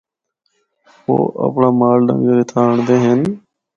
او اپنڑا مال ڈنگر اِتھا آنڑدے ہن۔